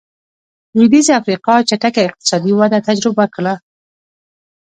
لوېدیځې افریقا چټکه اقتصادي وده تجربه کړه.